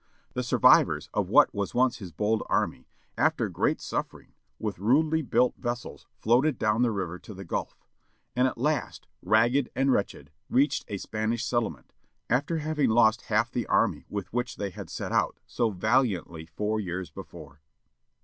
The survivors of what was once his bold army, after great suffering, with rudely built vessels floated down the river to the Gvdf . And at last, ragged and wretched, reached a Spanish settlement, after having lost half the army with which they had set out so valiantly four years before.